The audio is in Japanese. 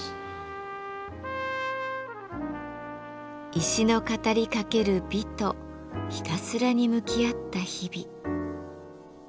石の語りかける「美」とひたすらに向き合った日々。